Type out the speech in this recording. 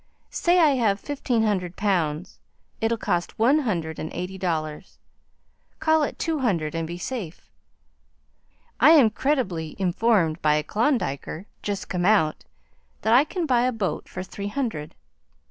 Say I have fifteen hundred pounds, it'll cost one hundred and eighty dollars call it two hundred and be safe. I am creditably informed by a Klondiker just come out that I can buy a boat for three hundred.